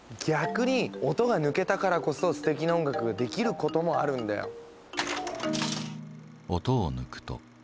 逆に音が抜けたからこそすてきな音楽ができることもあるんだよ。